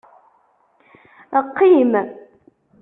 Qqim!